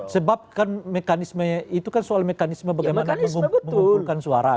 sebab kan mekanismenya itu kan soal mekanisme bagaimana mengumpulkan suara